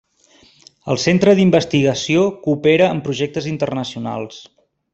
El centre d'investigació coopera en projectes internacionals.